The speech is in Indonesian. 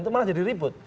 itu malah jadi ribut